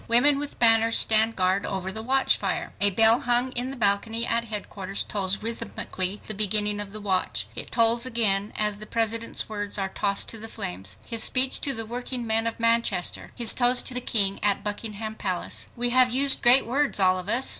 Women with banners stand guard over the watchfire. A bell hung in the balcony at headquarters tolls rhythmically the beginning of the watch. It tolls again as the President's words are tossed to the flames. His speech to the workingmen of Manchester; his toast to the King at Buckingham Palace: "We have used great words, all of us.